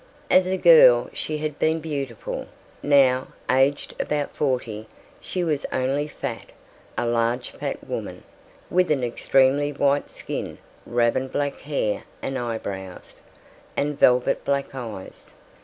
As a girl she had been beautiful; now, aged about forty, she was only fat a large fat woman, with an extremely white skin, raven black hair and eyebrows, and velvet black eyes.